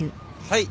はい。